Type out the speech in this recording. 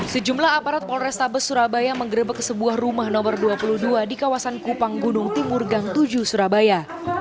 sejumlah aparat polrestabes surabaya menggerebek sebuah rumah nomor dua puluh dua di kawasan kupang gunung timur gang tujuh surabaya